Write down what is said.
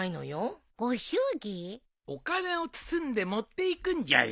お金を包んで持っていくんじゃよ。